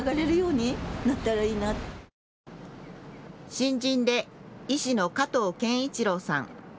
新人で医師の加藤健一郎さん。